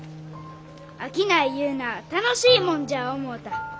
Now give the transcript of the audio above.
商いいうなあ楽しいもんじゃ思うた。